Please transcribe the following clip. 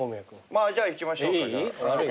まあじゃあいきましょうか。